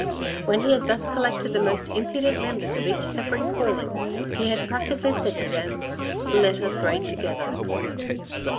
When he had thus collected the most impudent members of each separate calling, he had practically said to them, " Let us reign together."